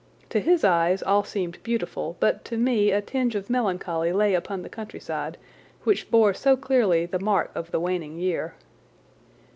To his eyes all seemed beautiful, but to me a tinge of melancholy lay upon the countryside, which bore so clearly the mark of the waning year.